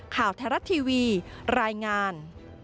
ข่าวไทยรัฐทีวีรายงาน